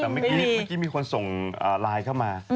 แต่เมื่อกี้มีคนส่งไลน์เข้ามา